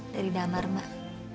dari damar mbak